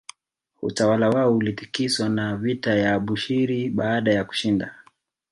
Utawala wao ulitikiswa na vita ya Abushiri baada ya kushinda